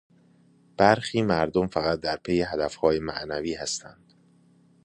برخی مردم فقط در پی هدفهای معنوی هستند.